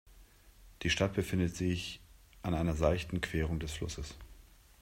Die Stadt befindet sich an einer seichten Querung des Flusses.